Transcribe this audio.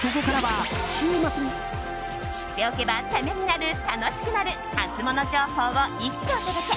知っておけばためになる、楽しくなるハツモノ情報を一挙お届け。